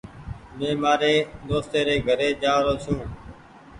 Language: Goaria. مين مآري دوستي ري گھري جآ رو ڇون۔